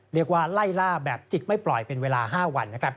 เรียกละไล่ล่าแบบจิตไม่ปล่อยเป็นเวลา๕วัน